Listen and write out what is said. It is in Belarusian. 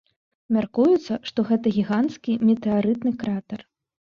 Мяркуецца, што гэта гіганцкі метэарытны кратар.